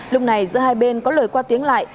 lúc này giữa hai bên có lời qua tiếng lại